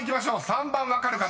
３番分かる方］